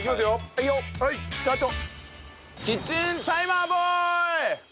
はいよ。スタート！